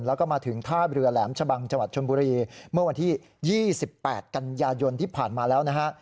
แล้วก็มาถึงท่าเรือแหลมชะบังจังหวัดชนบุรีเมื่อวันที่๒๘กันยายนที่ผ่านมาแล้วนะฮะ